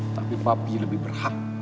tapi papi lebih berhak